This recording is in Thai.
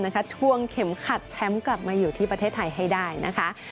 ทวงเข็มขัดแชมป์กลับมาอยู่ที่ประเทศไทยให้ได้นะคะ